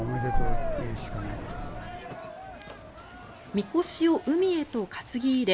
みこしを海へと担ぎ入れ